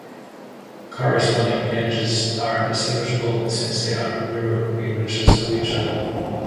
Corresponding edges are distinguishable, since they are mirror images of each other.